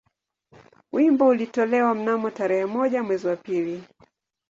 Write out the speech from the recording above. Wimbo ulitolewa mnamo tarehe moja mwezi wa pili